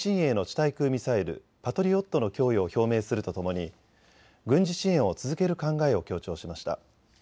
対空ミサイル、パトリオットの供与を表明するとともに軍事支援を続ける考えを強調しました。